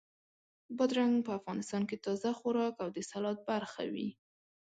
بادرنګ په افغانستان کې تازه خوراک او د سالاد برخه وي.